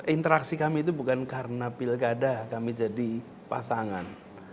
interaksi kami itu bukan karena pilkada kami jadi pasangan